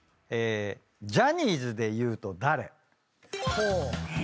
ジャニーズでいうと誰？え？